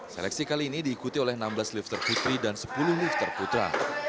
seleksi kali ini diikuti oleh enam belas lifter putri dan sepuluh lifter putra